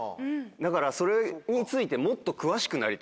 だからそれについて。